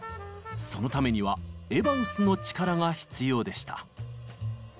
そのためにはエヴァンスの力が必要でした。